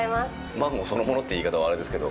マンゴーそのものって言い方はあれですけど。